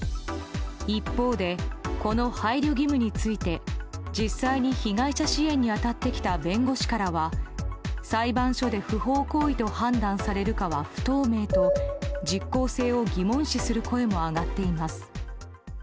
一方で、この配慮義務について実際に被害者支援に当たってきた弁護士からは裁判所で不法行為と判断されるかは不透明と実効性を疑問視する声も上がっています。